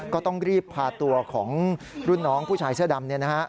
ก็ต้องรีบพาตัวของรุ่นน้องผู้ชายเสื้อดำ